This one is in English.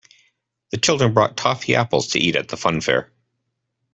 The children bought toffee apples to eat at the funfair